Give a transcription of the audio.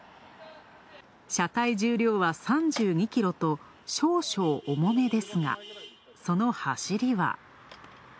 車体重量は３２キロと少々重めですが、その走りは。